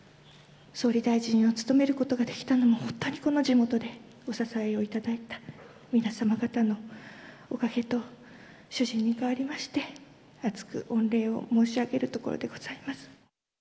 総理大臣を務めることができたのも、本当にこの地元でお支えをいただいた皆様方のおかげと、主人に代わりまして厚く御礼を申し上げるところでございます。